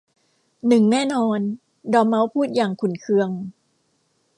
หนึ่งแน่นอน ! 'ดอร์เม้าส์พูดอย่างขุ่นเคือง